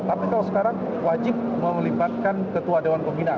tapi kalau sekarang wajib melibatkan ketua dewan pembina